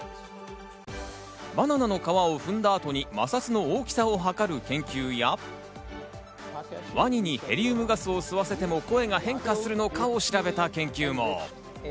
バナナの皮を踏んだ後に摩擦の大きさをはかる研究や、ワニにヘリウムガスを吸わせても声が変化するのかを調べた研究も。